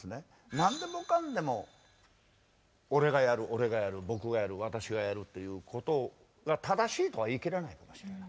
何でもかんでも「俺がやる俺がやる僕がやる私がやる」っていうことが正しいとは言い切れないかもしれない。